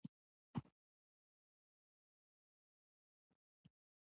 په نورو ځايو کښې به چې څو پورې پيسې يې نه وې ورکړې.